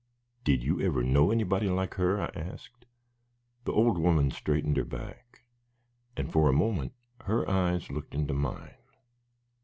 "Did you ever know anybody like her?" I asked. The old woman straightened her back, and for a moment her eyes looked into mine.